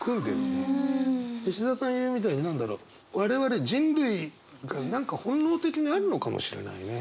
吉澤さん言うみたいに何だろう我々人類が何か本能的にあるのかもしれないね。